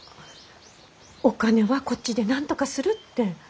お金はこっちでなんとかするって。